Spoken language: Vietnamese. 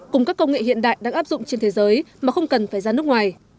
cùng các công nghệ hiện đại đang áp dụng trên thế giới mà không cần phải ra nước ngoài